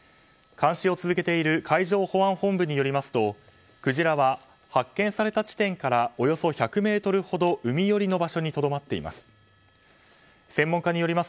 監視を続けている海上保安本部によりますとクジラは発見された地点からおよそ１００ｍほど海寄りの場所にとどまっています。